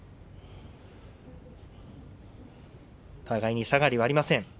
互いに下がりはありません。